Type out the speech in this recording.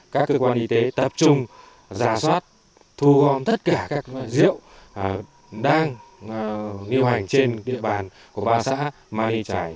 các cơ quan y tế tập trung ra soát thu gom tất cả các loại rượu đang niêm hoành trên địa bàn của ba xã ma ly trải